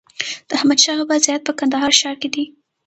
د احمدشاه بابا زيارت په کندهار ښار کي دئ.